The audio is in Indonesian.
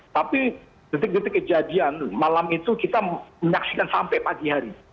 tapi detik detik kejadian malam itu kita menyaksikan sampai pagi hari